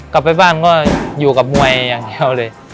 กลับไปบ้านก็อยู่กับมวยอย่างเดียวเลย